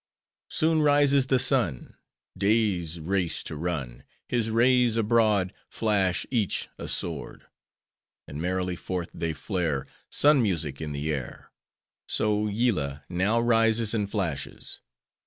Soon rises the sun, Day's race to run: His rays abroad, Flash each a sword,— And merrily forth they flare! Sun music in the air! So Yillah now rises and flashes!